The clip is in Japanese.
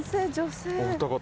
お二方。